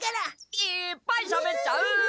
いっぱいしゃべっちゃう。